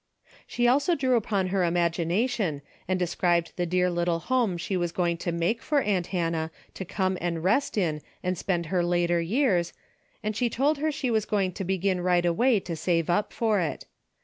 She also drew upon her imagination and de scribed the dear little home she was going to make for aunt Hannah to come and rest in and spend her later years, and she told her she was going to begin right away to save up for it.